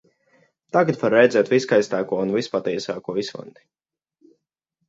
Tagad var redzēt visskaistāko un vispatiesāko Islandi.